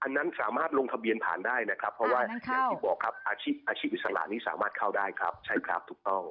นั้นสามารถลงทะเบียนผ่านได้นะครับเพราะว่าอย่างที่บอกครับอาชีพอาชีพอิสระนี้สามารถเข้าได้ครับใช่ครับถูกต้อง